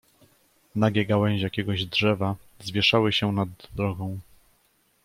"Nagie gałęzie jakiegoś drzewa zwieszały się nad drogą."